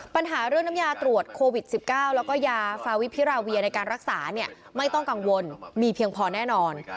ปัญหาเรื่องน้ำยาตรวจโควิด๑๙แล้วก็ยาฟาวิพิราเวียในการรักษาเนี่ยไม่ต้องกังวลมีเพียงพอแน่นอน